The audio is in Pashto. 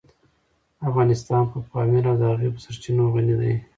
افغانستان په پامیر او د هغې په سرچینو غني دی.